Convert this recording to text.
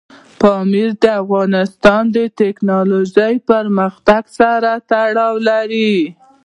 پامیر د افغانستان د تکنالوژۍ پرمختګ سره تړاو لري.